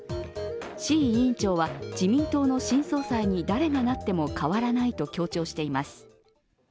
志位委員長は、自民党の新総裁に誰がなっても変わらないと強調しています。